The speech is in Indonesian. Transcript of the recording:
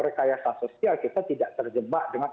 rekayasa sosial kita tidak terjebak dengan